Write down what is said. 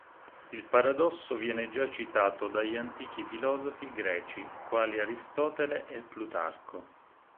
Il paradosso viene già citato dagli antichi filosofi greci quali Aristotele e Plutarco.